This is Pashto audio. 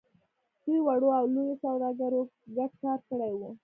دوی وړو او لويو سوداګرو ګډ کار کړی و.